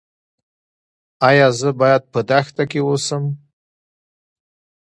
ایا زه باید په دښته کې اوسم؟